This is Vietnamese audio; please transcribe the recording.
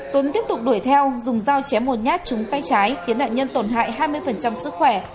tuấn tiếp tục đuổi theo dùng dao chém một nhát trúng tay trái khiến nạn nhân tổn hại hai mươi sức khỏe